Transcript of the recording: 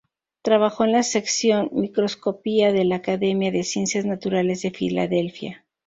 Trabajó en la "Sección Microscopía" de la "Academia de Ciencias Naturales de Filadelfia.